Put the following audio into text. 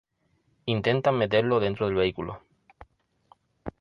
Intentan meterlo dentro del vehículo.